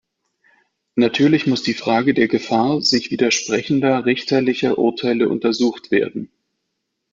Natürlich muss die Frage der Gefahr sich widersprechender richterlicher Urteile untersucht werden.